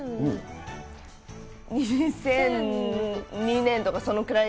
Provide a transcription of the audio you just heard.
２００２年とかそのくらい。